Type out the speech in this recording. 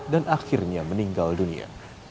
dan akhirnya meninggal dunia